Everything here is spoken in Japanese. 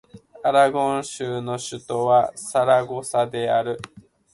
アラゴン州の州都はサラゴサである